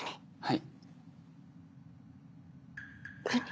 はい。